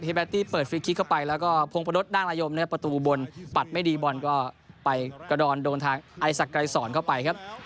เบตตี้เปิดฟรีคลิกเข้าไปแล้วก็พงประดนางอายมนะครับประตูอุบลปัดไม่ดีบอลก็ไปกระดอนโดนทางไอศักดายสอนเข้าไปครับ